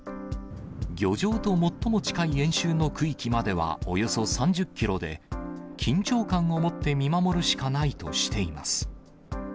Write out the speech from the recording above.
漁場と最も近い演習の区域まではおよそ３０キロで、緊張感を持って見守るしかないとしています。